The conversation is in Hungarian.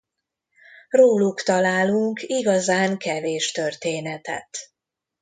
Róluk találunk igazán kevés történetet.